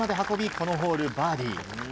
このホール、バーディー。